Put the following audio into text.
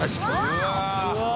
うわ！